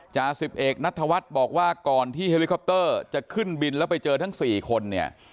จ่าสิบเอกนัทธวัฒน์บอกว่าก่อนที่เฮลิคอปเตอร์จะขึ้นบินแล้วไปเจอทั้ง๔คนเนี่ย